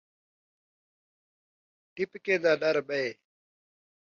ٹپکے دا ݙر ہے